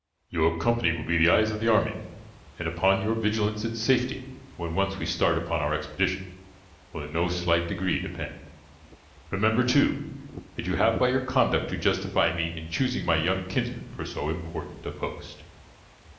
Your company will be the eyes of the army, and upon your vigilance its safety, when we once start upon our expedition, will in no slight degree depend. Remember, too, that you have by your conduct to justify me in choosing my young kinsman for so important a post."